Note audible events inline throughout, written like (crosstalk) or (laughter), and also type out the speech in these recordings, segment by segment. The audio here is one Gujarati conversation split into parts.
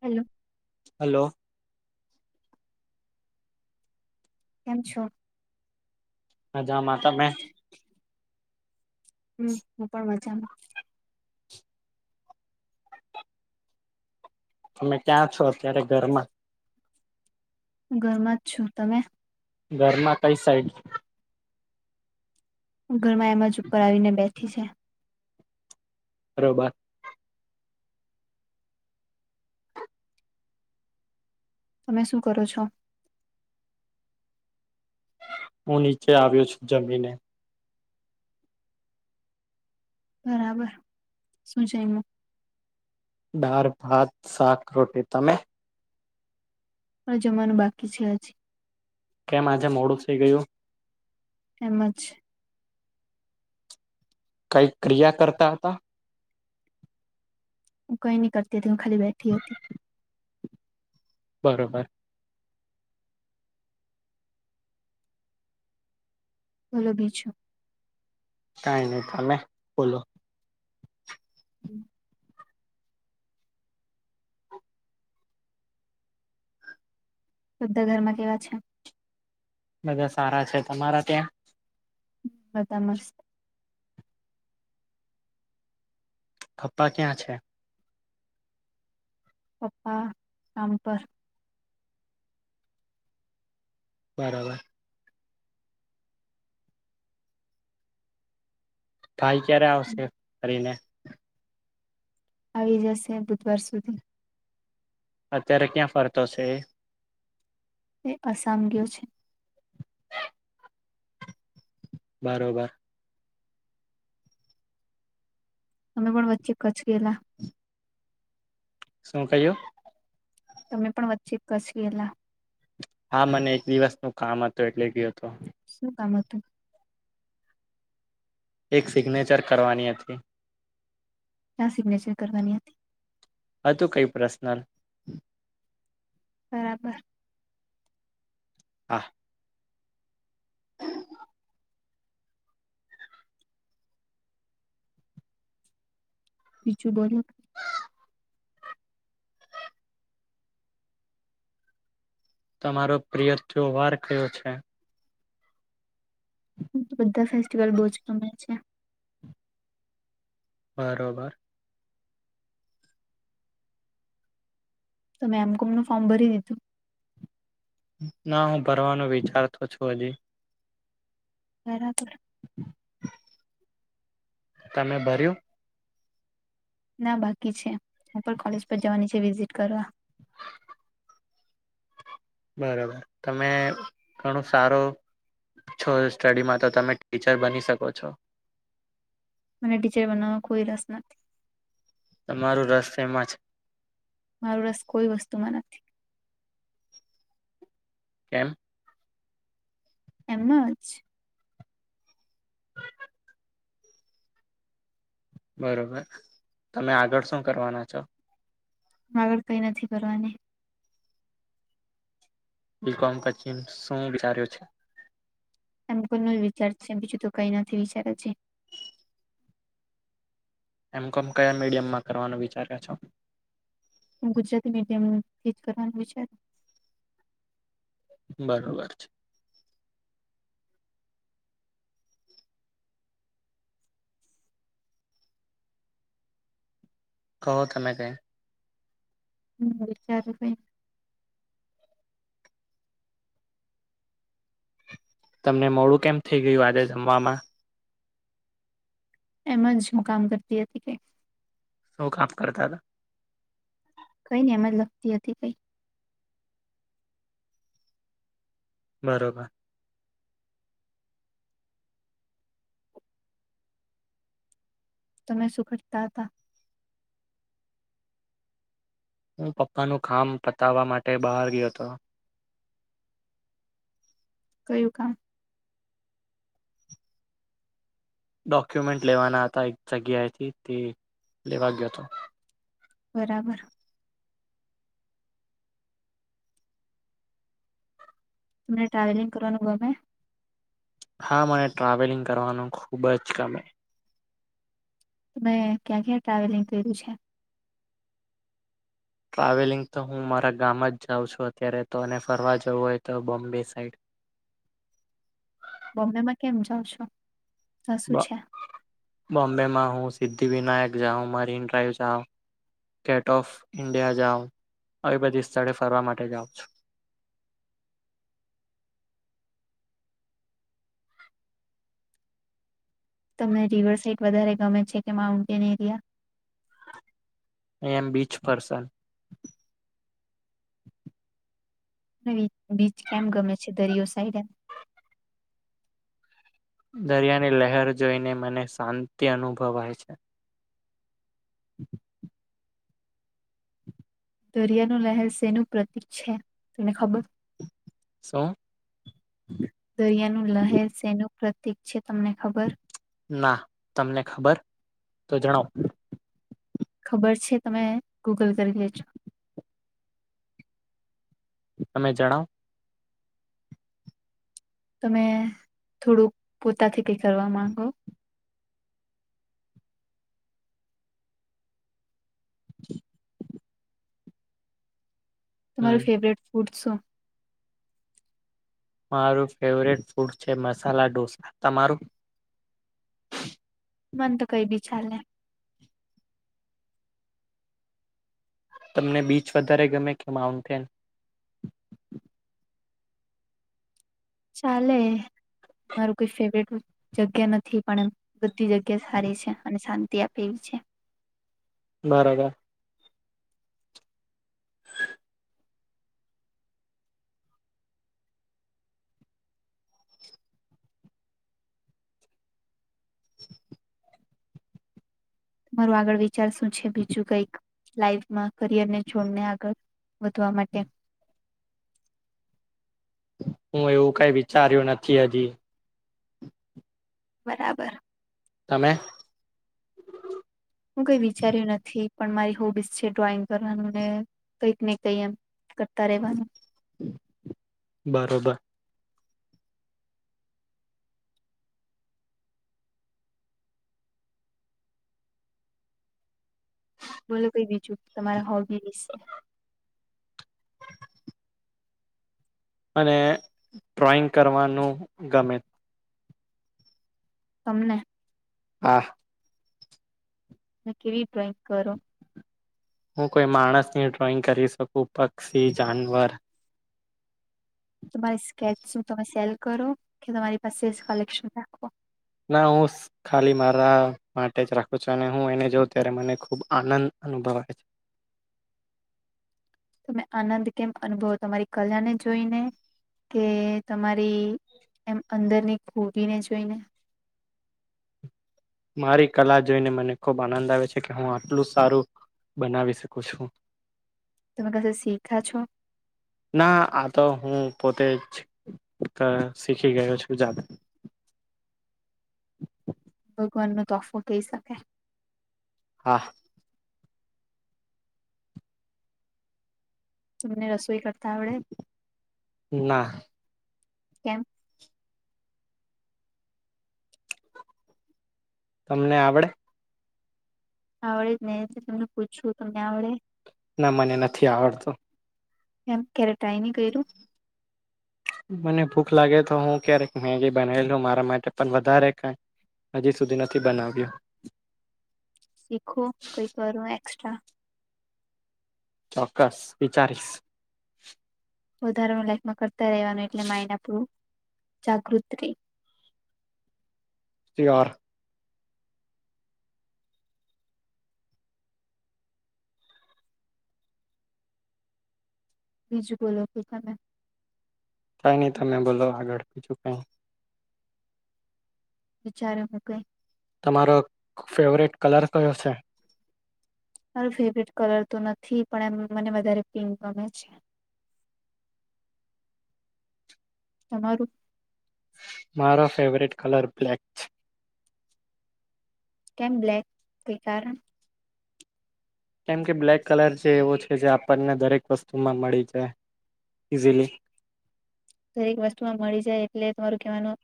હેલો. હલો. એમ છો? મજામા. તમે? હમ. હું પણ મજામાં. તમે ક્યાં છો અત્યારે ઘરમાં? ઘરમાં જ છુ. તમે? ઘરના કઈ સાઈડ? ઘર માં એમ જ ઉપર આવી ને બેઠી છે. બરોબર. તમે શું કરો છો? હું નીચે આવ્યો છું જમીને. બરાબર. શું છેમ? દાળ, ભાત, શાક, રોટી. તમે? પણ જમાનું બાકી છે હજી. કેમ આજે મોડું થઈ ગયું? એમજ. કઈ ક્રિયા કરતા હતા? હું કઈ નહી કરતી હતી. હું ખાલી બેઠી હતી. બરોબર. બોલો. બીજું? કઈ નહી. તમે બોલો? (inaudible) બદ્ધા ઘરમાં કેવા છે? બધા સારા છે. તમારા ત્યાં? બધા મસ્ત. ખપ્પા ક્યાં છે? પપ્પા કામ પર. બરાબર. ભાઈ, ક્યારે આવશે ફરીને? આવી જશે, બુધવાર સુધી. અત્યારે ક્યાં ફરતો છે એ? એ અસામ ગયો છે. બરોબર. તમે પણ વચ્ચે કચ્છ ગયેલા? શું કહ્યું? તમે પણ વચ્ચે કચ્છ ગેલા? હા! મને એક દિવસ નું કામ હતું. એટલે ગયો હતો. શું કામ હતુ? એક સિગ્નેચર કરવાની હતી. આ્યા સિગ્નેચર કરવાની હતી હતું કઈ પ્રશ્નલ બરાબર હા પીજું બો તમારો પ્રિય ત્યો વાર કયો છે તો બધા ફેસ્ટિવલ બહુ જ ગમે છે બરોબર તમે એમ કોમનું ફોર્મ ભરી દીધું. ના હું ભરવાનું વિચારતો છું હજી. (unintelligible) તમે ભર્યુ? ના બાકી છે હું પણ કોલેજ પર જવાની છે વિઝિટ કરવા. બરોબર તમે ઘણું સારું છો સ્ટડીમાં તો તમે ટીચર બની શકો છો. મને ટીચર બનવામાં કોઈ રસ નથી. તમારું રસ શેમાં છે? મારૂ રસ કોઈ વસ્તુમાં નથી. કેમ? એમ જ બરોબર તમે આગળ શું કરવાના છો? આગળ કઈ નથી કરવાની. બીકોમ પછી ન શું વિચાર્યું છે? એમ કોમ નો જ વિચાર છે બીજું તો કઈ નથી વિચાર હજી. એમ કોમ કયા મીડિયમમાં કરવાનું વિચારો છો? હું ગુજરાતી મીડિયમ ઇ જ કરવાનું વિચાર. બરોબર છે. કહો તમે કઈ હું વિચારું કઈ તમને મોડું કેમ થઇ ગયું આજે જમવામાં? એમ જ મુ કામ કરતી હતી કઈક. શું કામ કરતા હતા કઈ ને એમ જ લખતી હતી કઈ. બરોબર તમે શુ કરતા હતા? હું પપ્પાનું કામ પતાવવા માટે બહાર ગયો હતો. કયું કામ ડોક્યુમેન્ટ લેવાના હતા એક જગ્યાએથી તે લેવા ગ્યોતો. બરાબર તમને ટ્રાવેલિંગ કરવાનું ગમે? હા, મને ટ્રાવેલિંગ કરવાનું ખુબ જ ગમે. તમે ક્યાં ક્યાં ટ્રાવેલિંગ કર્યું છે? ટ્રાવેલિંગ તો હું મારા ગામ જ જાઉં છું અત્યારે તો અને ફરવા જવું હોય તો બોમ્બે સાઈડ. બોમ્બેમાં કેમ જાવ છો? ત્યાં શું બો છે બોમ્બેમાં હું સિદ્ધિ વિનાયક જાઉ મરીન ડ્રાઈવ જાઉ. ગેટ ઓફ ઈન્ડિયા જાઉં, આવી બધી સ્થળે ફરવા માટે જાવ છુ. (inaudible) તમને રિવર સાઇટ વધારે ગમે છે કે માઉન્ટેન એરિયા એમ બીચ પરસન (inaudible) બીચ કેમ ગમે છે? દરિયો સાઈડ એમ. દરિયાની લહેર જોઈને મને શાંતિ અનુભવાય છે. (inaudible) દરિયાનુ લહેર શેનું પ્રતીક છે? તને ખબર શું દરિયાનું લહેર શેનુ પ્રતીક છે. તમને ખબર ના, તમને ખબર તો જણાવ. ખબર છે, તમે ગૂગલ કરી લેજો. તમે જણાવ. તમે થોડુંક પોતાથી કઈ કરવા માંગો (inaudible) હમ તમારું ફેવરેટ ફૂડ શું? મારું ફેવરેટ ફૂડ છે, મસાલા ઢોસા તમારું? મન તો કઈ બી ચાલે તમને બીચ વધારે ગમે કે માઉન્ટેન? ચાલે. મારું કોઈ ફેવરેટ જગ્યા નથી પણ એમ બધી જગ્યા સારી છે, અને શાંતિ આપે એવી છે. (inaudible) બરોબર. તમારું આગળ વિચાર શું છે, બીજું કઈક લાઈફમાં કરિયરને છોડને આગળ વધવા માટે. હું એવું કાઈ વિચાર્યું નથી હજી બરાબર. તમે? હું કઈ વિચાર્યું નથી. પણ મારી હોબીસ છે, ડ્રોઈંગ કરવાનું ને કઈક ને કઈ એમ કરતા રેવાનું બરોબર. બોલો કઈ બીજું તમારા હોબી વિશે. મને ડ્રોઈંગ કરવાનું ગમે. તમને? હા. ને કેવી ડ્રોઈંગ કરો? હું કોઈ માણસની ડ્રોઈંગ કરી શકું, પક્ષી, જાનવર તમારી સ્કેચ શું તમે સેલ કરો કે તમારી પાસેે જ કલેક્શન રાખો. ના, હું ખાલી મારા માટે જ રાખું છું, અને હું એને જોઉ ત્યારે મને ખુબ આનંદ અનુભવાય છે. (inaudible) તમે આનંદ કેમ અનુભવ તમારી કલાને જોઈને? કે તમારી એમ અંદરની ખૂબીને જોઈને? (inaudible) મારી કલા જોઈને મને ખુબ આનંદ આવે છે, કે હું આટલું સારું બનાવી શકુ છું. તમે કશે શીખા છો ના આ તો હું પોતે જ ક શીખી ગયો છુ જાતે (inaudible) ભગવાનનો તોફો કહી શકે. હા. તમને રસોઈ કર ના. કેમ? તમને આવડે? આવડે જ ને તમને પૂછું તમને આવડે? ના મને નથી આવડતું એમ ક્યારે ટારાયની કરયુ. મને ભૂખ લાગે તો હું ક્યારેક મેગી બનાવેલું મારા માટે પણ વધારે ક હજી સુધી નથી બનાવ્યું શીખો કઈ કરો એક્સ્ટ્રા ચોક્કસ વિચારીશ વધારાનું લાઈકમાં કરતા રેવાનું એટલે માઇડ આપણુ જાગૃત ર, શીયોર બીજું બોલો કે તમે કઈ નહી તમે બોલો આગળ બીજું કઈ વિચારો મ કઈ તમારો ફેવરેટ કલર કયો છે. મારો ફેવરેટ કલર તો નથી પણ એમ મને વધારે પિંક ગમે છે (inaudible) તમારું મારો ફેવરેટ કલર બ્લેક છે કેમ બ્લેક કે કારણ કેમ કે બ્લેક કલર જે એવો છે જે, આપણને દરેક વસ્તુમાં મળી જાય. ઇઝલી દરેક વસ્તુમાં મળી જાય એટલે તમારું કેવાનો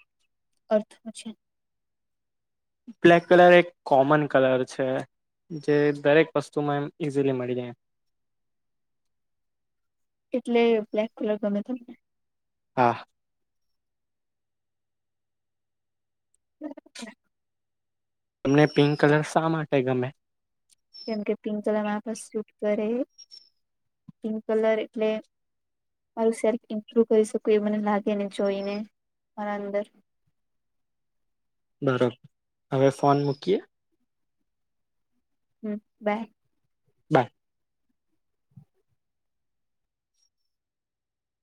અર્થ છે બ્લેક કલર એક કોમન કલર છે જે દરેક વસ્તુમાં એમ ઈઝીલી મળી જાય એટલે બ્લેક કલર ગમે તમને હા હ તમને પિંક કલર શા માટે ગમે કેમ કે પિંક કલર મારા પા સૂટ કરે પિંક કલર એટલે મારું સેલ્ફ ઇમ્પ્રુવ કરી શકું એ મને લાગેને જોઈને મારા અંદર (inaudible) બરોબર હવે ફોન મૂકીએ હમ બાય બાય